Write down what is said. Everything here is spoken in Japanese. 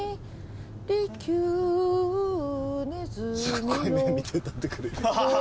すっごい目見て歌ってくれる。